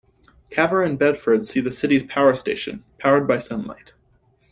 Cavor and Bedford see the city's power station, powered by sunlight.